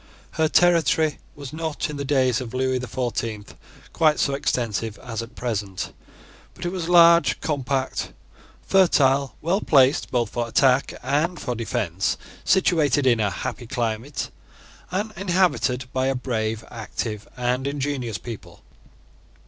Her territory was not in the days of Lewis the Fourteenth quite so extensive as at present: but it was large, compact, fertile, well placed both for attack and for defence, situated in a happy climate, and inhabited by a brave, active, and ingenious people.